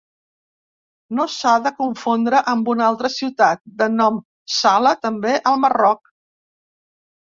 No s'ha de confondre amb una altra ciutat de nom Sala també al Marroc.